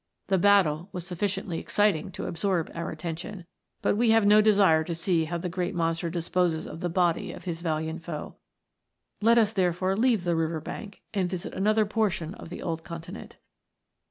The battle was sufficiently exciting to absorb our at tention, but we have no desire to see how the great monster disposes of the body of his valiant foe. Let us therefore leave the river bank, and visit another portion of the old continent.